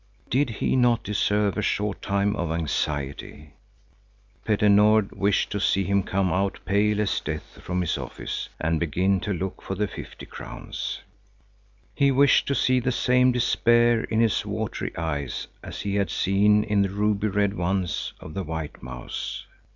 Did he not deserve a short time of anxiety? Petter Nord wished to see him come out pale as death from his office and begin to look for the fifty crowns. He wished to see the same despair in his watery eyes as he had seen in the ruby red ones of the white mouse.